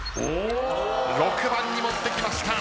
６番にもってきました。